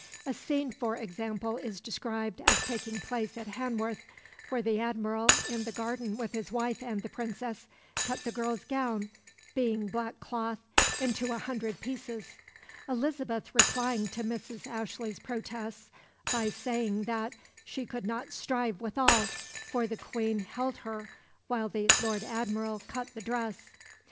A scene, for example, is described as taking place at Hanworth, where the Admiral, in the garden with his wife and the Princess, cut the girl's gown, "being black cloth," into a hundred pieces; Elizabeth replying to Mrs. Ashley's protests by saying that "she could not strive with all, for the Queen held her while the Lord Admiral cut the dress."